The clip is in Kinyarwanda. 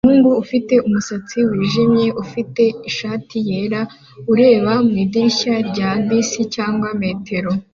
Umuhungu ufite umusatsi wijimye ufite ishati yera ureba mu idirishya rya bisi cyangwa metero